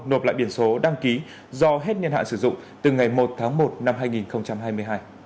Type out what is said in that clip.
nộp lại biển số đăng ký do hết niên hạn sử dụng từ ngày một tháng một năm hai nghìn hai mươi hai